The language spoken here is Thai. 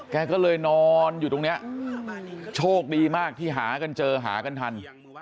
แกก็เลยนอนอยู่ตรงนี้โชคดีมากที่หากันเจอหากันทัน